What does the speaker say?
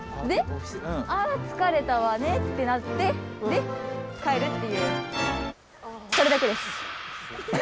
であつかれたわねってなってで帰るっていう。